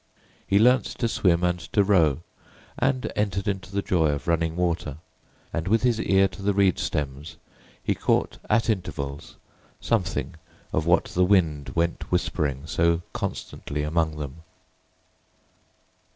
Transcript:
He learnt to swim and to row, and entered into the joy of running water; and with his ear to the reed stems he caught, at intervals, something of what the wind went whispering so constantly among them.